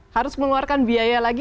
harus mengeluarkan biaya lagi